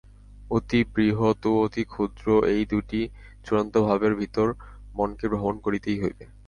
অতি বৃহৎ ও অতি ক্ষুদ্র এই দুইটি চূড়ান্ত ভাবের ভিতর মনকে ভ্রমণ করিতেই হইবে।